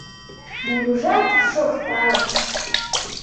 Мурыжат шокта.